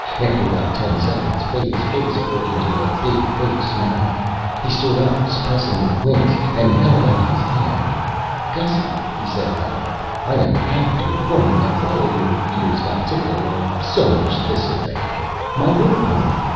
After about ten seconds Fay's face broke into a big fake smile. He stood up, suppressing a wince, and held out his hand. "Gussy," he said loudly, "I am happy to inform you that all your fears about Tickler are so much thistledown. My word on it.